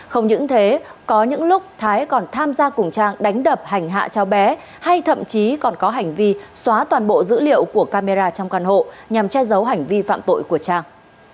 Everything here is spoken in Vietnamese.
không những thế có những lúc thái còn tham gia cùng trang đánh đập hành hạ cháu bé hay thậm chí còn có hành vi xóa toàn bộ dữ liệu của camera trong căn hộ nhằm che giấu hành vi phạm tội của trang